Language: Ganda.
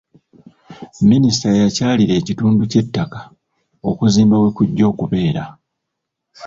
Minisita yakyalira ekitundu ky'ettaka okuzimba we kujja okubeera.